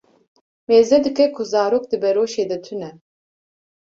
Mêze dike ku zarok di beroşê de tune.